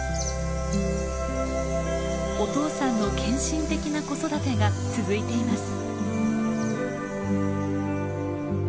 お父さんの献身的な子育てが続いています。